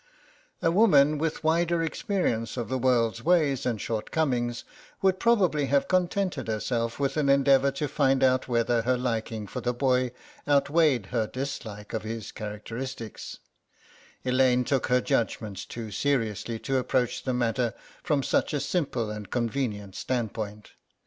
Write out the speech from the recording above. A woman with wider experience of the world's ways and shortcomings would probably have contented herself with an endeavour to find out whether her liking for the boy outweighed her dislike of his characteristics; Elaine took her judgments too seriously to approach the matter from such a simple and convenient standpoint.